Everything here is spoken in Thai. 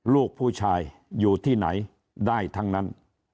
ลูกผู้ชายอยู่ที่ไหนได้ทั้งนั้น